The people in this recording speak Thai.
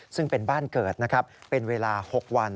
ซึ่งเป็นบ้านเกิดนะครับเป็นเวลา๖วัน